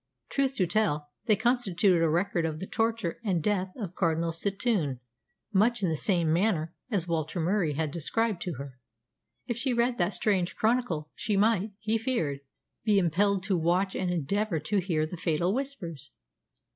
Truth to tell, they constituted a record of the torture and death of Cardinal Setoun much in the same manner as Walter Murie had described to her. If she read that strange chronicle she might, he feared, be impelled to watch and endeavour to hear the fatal Whispers.